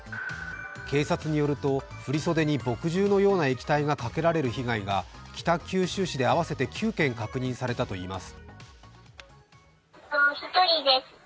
警察によると、振り袖に墨汁のような液体がかけられる被害が北九州市で合わせて９件確認されたといいます。